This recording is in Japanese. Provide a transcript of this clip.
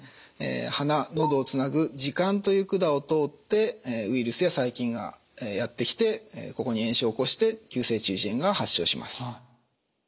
鼻のどをつなぐ耳管という管を通ってウイルスや細菌がやって来てここに炎症を起こして急性中耳炎が発症します。